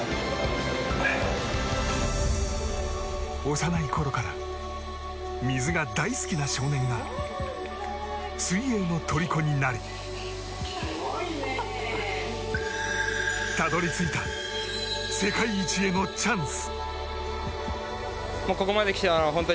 幼いころから水が大好きな少年が水泳のとりこになりたどり着いた世界一へのチャンス。